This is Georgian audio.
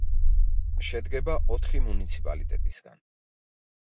შედგება ოთხი მუნიციპალიტეტისგან.